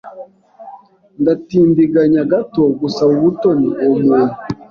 Ndatindiganya gato gusaba ubutoni uwo muntu.